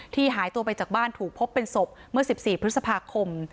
หายตัวไปจากบ้านถูกพบเป็นศพเมื่อ๑๔พฤษภาคม